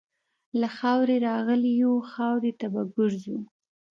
له خاورې راغلي یو، خاورې ته به ګرځو.